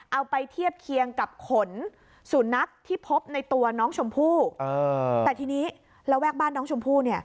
เอาไปเทียบเคียงกับขนสุนัขที่พบในตัวน้องชมพู่แต่ทีนี้ระแวกบ้านน้องชมพู่เนี่ย